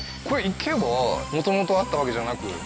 これ池はもともとあったわけじゃなく？